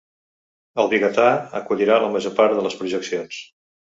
El Vigatà acollirà la major part de les projeccions.